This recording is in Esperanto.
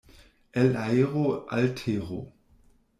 El aero al tero.